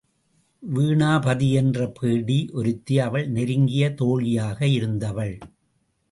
வீணாபதி என்ற பேடி ஒருத்தி அவள் நெருங்கிய தோழியாக இருந்தவள்.